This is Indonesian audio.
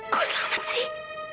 kau selamat sih